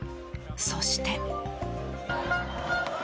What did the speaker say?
そして。